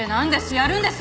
やるんです？